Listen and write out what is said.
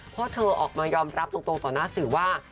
เพราะเธอออกมายอมรับตรงต่อหน้าสื่อว่า